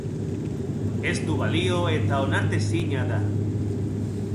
Ez du balio eta onartezina da.